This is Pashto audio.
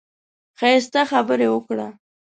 ښايسته خبرې وکړه.